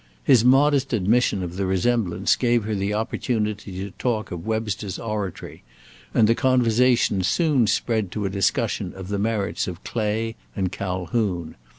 His modest admission of the resemblance gave her the opportunity to talk of Webster's oratory, and the conversation soon spread to a discussion of the merits of Clay and Calhoun.